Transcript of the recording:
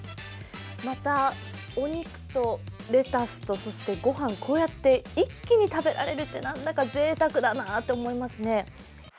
またお肉とレタスとごはん、こうやって一気に食べられるって何だかぜいたくだなと思いますね。